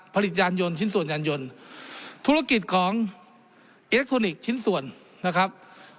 ยานยนต์ชิ้นส่วนยานยนต์ธุรกิจของอิเล็กทรอนิกส์ชิ้นส่วนนะครับ